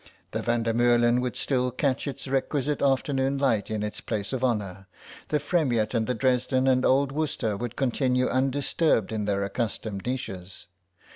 The Van der Meulen would still catch its requisite afternoon light in its place of honour, the Fremiet and the Dresden and Old Worcester would continue undisturbed in their accustomed niches.